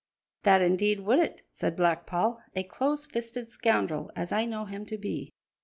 "That indeed would it," said Black Paul; "a close fisted scoundrel, as I know him to be."